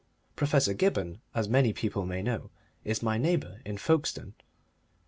Professor Gibberne, as many people know, is my neighbour in Folkestone.